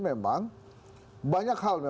memang banyak hal